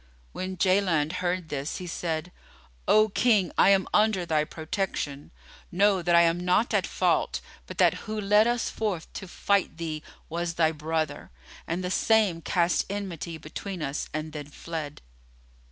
When Jaland heard this, he said, "O King, I am under thy protection! Know that I am not at fault, but that who led us forth to fight thee was thy brother, and the same cast enmity between us and then fled."